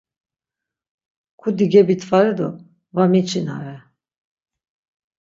Kudi gebitvare do var miçinare.